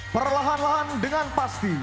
perlahan lahan dengan pasti